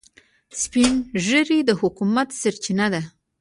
سپین ږیری د حکمت سرچینه ده